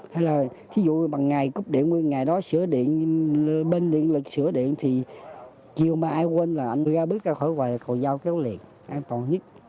hay là thí dụ bằng ngày cúp điện ngày đó sửa điện bên điện là sửa điện thì chiều mai ai quên là anh ra bước ra khỏi quầy là cầu giao kéo liền an toàn nhất